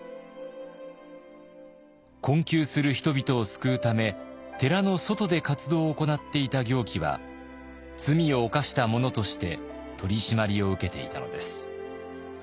困窮する人々を救うため寺の外で活動を行っていた行基は罪を犯した者として取り締まりを受けていたのです。